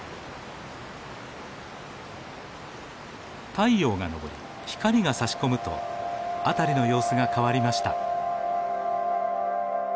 太陽が昇り光がさし込むと辺りの様子が変わりました。